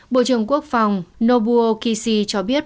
bộ trưởng quốc phòng nobuo kishi cho biết